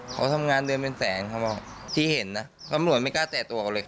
เขาทำงานเดือนเป็นแสนเขาบอกที่เห็นนะตำรวจไม่กล้าแตะตัวเขาเลย